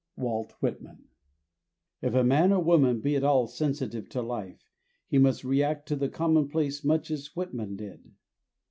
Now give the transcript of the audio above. Walt Whitman. If man or woman be at all sensitive to life, he must react to the commonplace much as Whitman did.